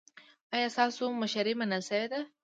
ایا ستاسو مشري منل شوې ده؟